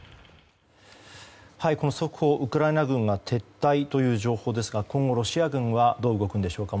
この速報、ウクライナ軍が撤退という情報ですが今後、ロシア軍はどう動くんでしょうか。